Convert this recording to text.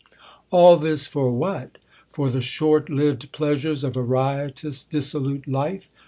All this for what ? for the short lived pleasures of a riotous, dissolute life.